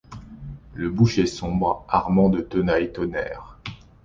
Le boucher sombre, armant de tenailles tonnerres